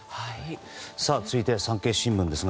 続いて、産経新聞です。